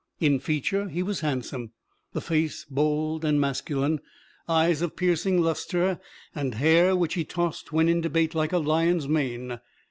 In feature he was handsome: the face bold and masculine; eyes of piercing luster; and hair, which he tossed when in debate, like a lion's mane.